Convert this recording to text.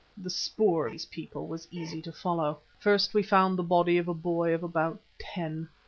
The spoor of these people was easy to follow. First we found the body of a boy of about ten.